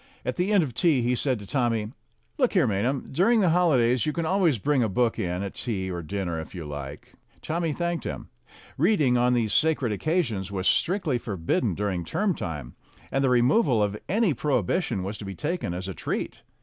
At the end of tea he said to Tommy: "Look here, Maynham, during the holidays you can always bring a book in at tea or dinner if you like." THE BOY AND THE PESSIMIST 101 Tommy thanked him. Reading on these sacred occasions was strictly forbidden during term time, and the removal of any prohibition was to be taken as a treat.